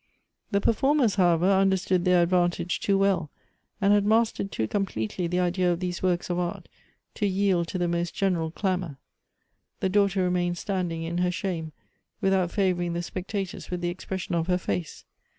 The performers, however, understood their advantage too well, and had mastered too completely the idea of these works of art to yield to the most general clamor. 198 Goethe's The daughter remained standing in her shame, without favoring the spectators with the expression of her face.